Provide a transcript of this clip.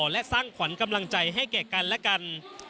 และสร้างขวัญกำลังใจให้แก่กันและกัน